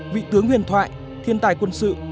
vị tướng huyền thoại thiên tài quân sự